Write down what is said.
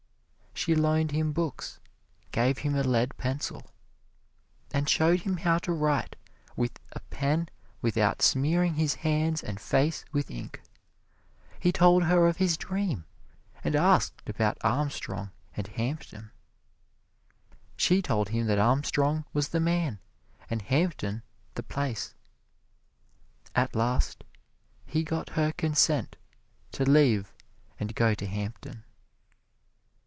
She loaned him books, gave him a lead pencil, and showed him how to write with a pen without smearing his hands and face with ink. He told her of his dream and asked about Armstrong and Hampton. She told him that Armstrong was the man and Hampton the place. At last he got her consent to leave and go to Hampton.